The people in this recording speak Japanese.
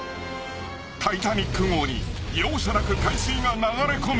［タイタニック号に容赦なく海水が流れ込む］